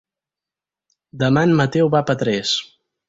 Demà en Mateu va a Petrés.